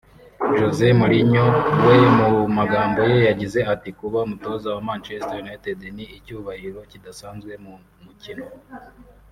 José Mourinho we mu magambo ye yagize ati “Kuba umutoza wa Manchester United ni icyubahiro kidasanzwe mu mukino